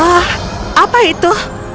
ah apa itu